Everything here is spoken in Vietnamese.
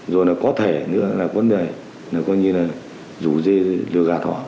rồi có thể nữa là có như là rủ dê lừa gạt họ